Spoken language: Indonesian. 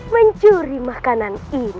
mencuri makanan ini